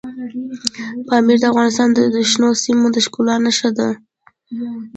پامیر د افغانستان د شنو سیمو د ښکلا نښه ده.